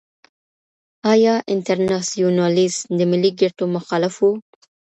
ایا انټرناسيونالېزم د ملي ګټو مخالف و؟